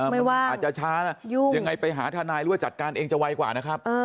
ไม่ว่าอาจจะช้านะยังไงไปหาทนายหรือว่าจัดการเองจะไวกว่านะครับ